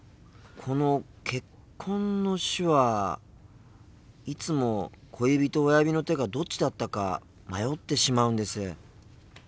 この「結婚」の手話いつも小指と親指の手がどっちだったか迷ってしまうんです。